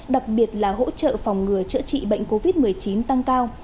đặc biệt là hỗ trợ phòng ngừa chữa trị bệnh covid một mươi chín tăng cao